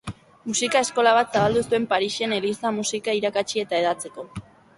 Musika eskola bat zabaldu zuen Parisen eliza-musika irakatsi eta hedatzeko.